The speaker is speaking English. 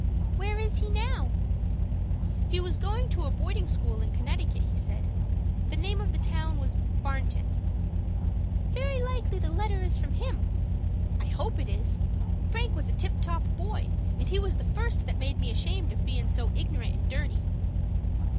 "Where is he now?" "He was going to a boarding school in Connecticut, he said. The name of the town was Barnton." "Very likely the letter is from him." "I hope it is. Frank was a tip top boy, and he was the first that made me ashamed of bein' so ignorant and dirty."